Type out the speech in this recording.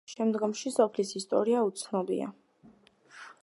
შემდგომში სოფლის ისტორია უცნობია.